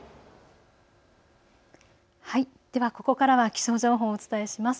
ではここからは気象情報をお伝えします。